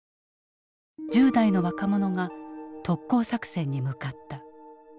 １０代の若者が特攻作戦に向かった。